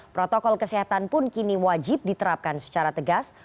protokol kesehatan pun kini wajib diterapkan secara tegas